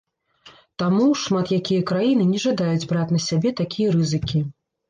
Таму, шмат якія краіны не жадаюць браць на сябе такія рызыкі.